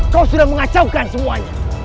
kau sudah mengacaukan semuanya